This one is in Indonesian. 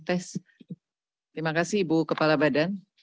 terima kasih ibu kepala badan